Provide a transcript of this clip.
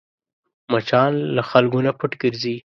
مچان له خلکو نه پټ ګرځي